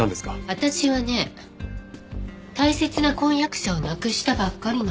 私はね大切な婚約者を亡くしたばっかりなの。